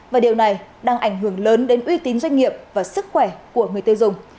và điều này đang ảnh hưởng lớn đến uy tín doanh nghiệp và sức khỏe của người tiêu dùng